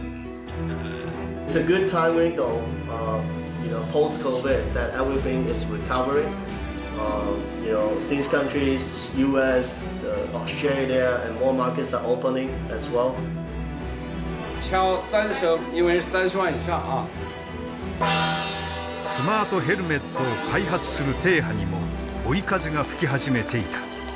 スマートヘルメットを開発する波にも追い風が吹き始めていた。